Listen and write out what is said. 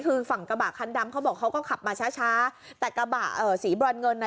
คือฝั่งกระบะคันดำเขาบอกเขาก็ขับมาช้าช้าแต่กระบะเอ่อสีบรอนเงินน่ะ